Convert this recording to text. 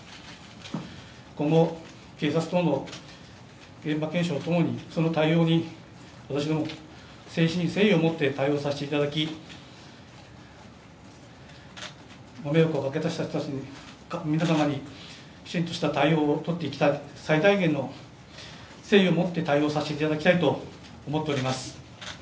今後、警察との現場検証等、その対応に私ども誠心誠意を持って対応させていただき、ご迷惑をおかけした皆様にきちんとした対応をさせていただき最大限の誠意を持って対応させていただきたいと思っております。